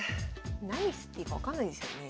何していいか分かんないですよね。